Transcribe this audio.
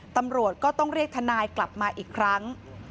ตำรวจก็ต้องเรียกทนายกลับมาอีกครั้ง